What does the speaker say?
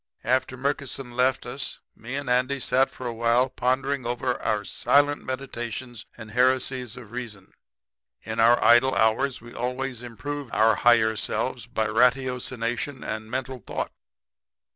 "After Murkison left us me and Andy sat a while prepondering over our silent meditations and heresies of reason. In our idle hours we always improved our higher selves by ratiocination and mental thought.